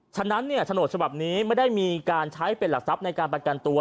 ฉะนั้นโฉนดฉบับนี้ไม่ได้มีการใช้เป็นหลักทรัพย์ในการประกันตัว